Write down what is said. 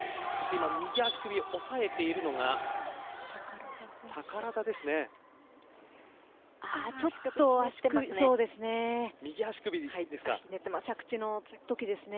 右足首を押さえているのが宝田ですね。